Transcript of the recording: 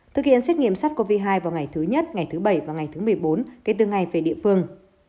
thực hiện xét nghiệm sars cov hai vào ngày thứ nhất ngày thứ bảy và ngày thứ một mươi bốn kể từ ngày về địa phương